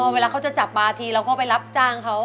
เวลาเขาจะจับปลาทีเราก็ไปรับจ้างเขา